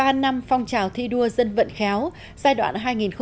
ba năm phong trào thi đua dân vận khéo giai đoạn hai nghìn một mươi sáu hai nghìn hai mươi